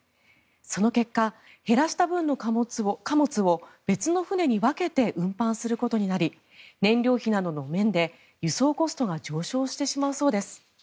その結果、減らした分の貨物を別の船に分けて運搬することになり燃料費などの面で輸送コストが上昇してしまうそうです。